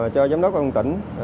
cho giám đốc con tỉnh